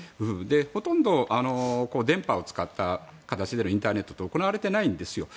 ほとんど電波を使った形でのインターネットって行われていないんですよ。